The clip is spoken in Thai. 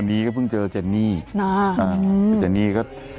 วันนี้ก็เพิ่งเจอเจนนี่เจนนี่ก็